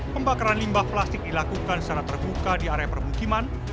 pembakaran limbah plastik dilakukan secara terbuka di area permukiman